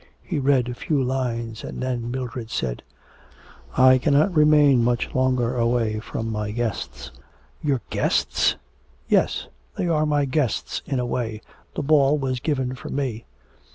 He read a few lines and then Mildred said: 'I cannot remain much longer away from my guests.' 'Your guests?' 'Yes; they are my guests in a way, the ball was given for me.'